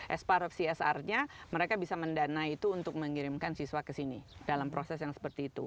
espar of csr nya mereka bisa mendana itu untuk mengirimkan siswa ke sini dalam proses yang seperti itu